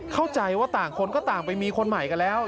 เข้าใจว่าต่างคนก็ต่างไปมีคนใหม่กันแล้ว